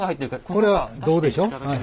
これは胴でしょ？